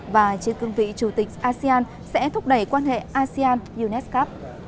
và trên cương vị chủ tịch asean sẽ thúc đẩy quan hệ asean unesco